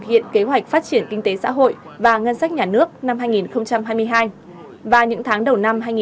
hiện kế hoạch phát triển kinh tế xã hội và ngân sách nhà nước năm hai nghìn hai mươi hai và những tháng đầu năm hai nghìn hai mươi